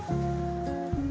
saya tidak eike